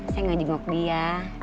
saya gak jengok dia